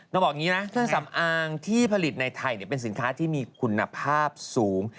บอกอย่างนี้นะเครื่องสำอางที่ผลิตในไทยเป็นสินค้าที่มีคุณภาพสูง